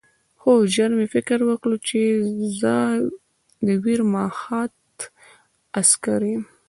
خو ژر مې فکر وکړ چې زه د ویرماخت عسکر یم